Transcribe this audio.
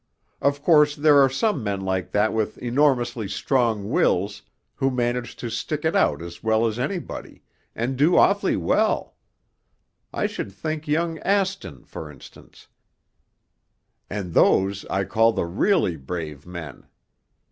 Of course there are some men like that with enormously strong wills who manage to stick it out as well as anybody, and do awfully well I should think young Aston, for instance and those I call the really brave men.